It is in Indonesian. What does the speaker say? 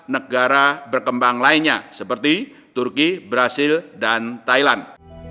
negara berkembang lainnya seperti turki brazil dan thailand